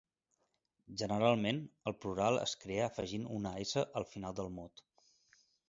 Generalment, el plural es crea afegint una -s al final del mot.